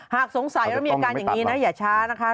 หากสงสัยว่ามีอาการอย่างนี้อย่าช้านะคะ